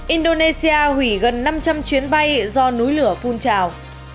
indonesia hủy gần năm trăm linh chuyến bay do núi lửa phun trào